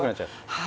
はい。